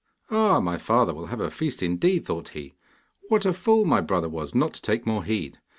'Ah, my father will have a feast, indeed,' thought he. 'What a fool my brother was not to take more heed!